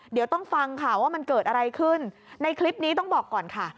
เดี๋ยวต้องฟังค่ะว่ามันเกิดอะไรขึ้นในคลิปนี้ต้องบอกก่อนค่ะ